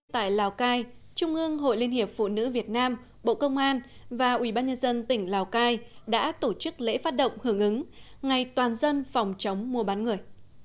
tại lào cai trung ương hội liên hiệp phụ nữ việt nam bộ công an và ubnd tỉnh lào cai đã tổ chức lễ phát động hưởng ứng ngày toàn dân phòng chống mua bán người